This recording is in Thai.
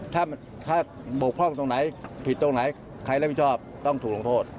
ถ้าบกพร่องตรงไหนผิดตรงไหนใครรับผิดชอบต้องถูกลงโทษ